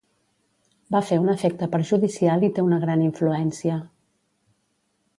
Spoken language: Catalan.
Va fer un efecte perjudicial i té una gran influència.